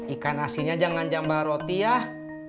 ikan asinnya jangan jamba roti yah